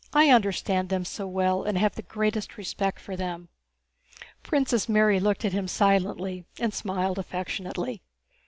I understand them so well and have the greatest respect for them." Princess Mary looked at him silently and smiled affectionately.